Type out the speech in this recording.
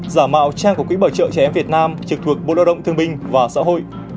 giả mạo trang của quỹ bảo trợ trẻ em việt nam trực thuộc bộ lao động thương binh và xã hội